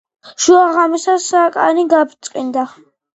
შუაღამისას საკანი გაბრწყინდა.